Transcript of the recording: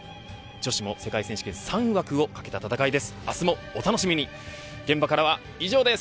女子も世界選手権３枠を懸けた戦いです。